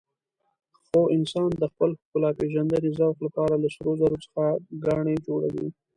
خو انسان د خپل ښکلاپېژندنې ذوق لپاره له سرو زرو څخه ګاڼې جوړوي.